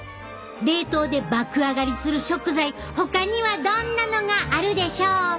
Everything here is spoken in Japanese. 冷凍で爆上がりする食材ほかにはどんなのがあるでしょうか？